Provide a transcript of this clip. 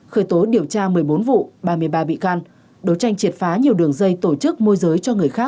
khởi tố điều tra một mươi bốn vụ ba mươi ba bị can đối tranh triệt phá nhiều đường dây tổ chức môi giới cho người khác